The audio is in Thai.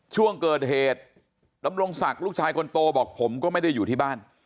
ช่วงเกิดเหตุดำรงศักดิ์ลูกชายคนโตบอกผมก็ไม่ได้อยู่ที่บ้าน